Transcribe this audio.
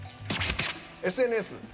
「ＳＮＳ」。